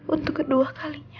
untuk kedua kalinya